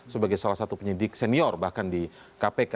sebagai salah satu penyidik senior bahkan di kpk